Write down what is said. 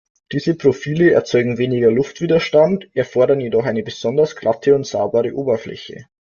Diese Profile erzeugen weniger Luftwiderstand, erfordern jedoch eine besonders glatte und saubere Oberfläche.